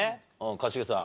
一茂さん。